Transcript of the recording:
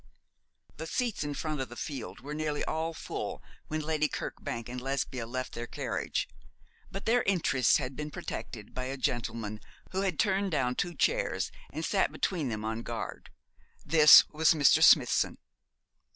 The seats in front of the field were nearly all full when Lady Kirkbank and Lesbia left their carriage; but their interests had been protected by a gentleman who had turned down two chairs and sat between them on guard. This was Mr. Smithson.